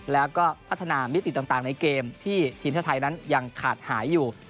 แล้วก็พัฒนามิติต่างในเกมที่ทีมชาติไทยนั้นยังขาดหายอยู่